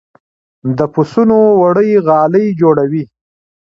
د پسونو وړۍ غالۍ جوړوي